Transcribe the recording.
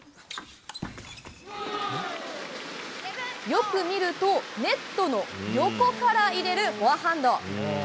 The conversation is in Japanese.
よく見ると、ネットの横から入れるフォアハンド。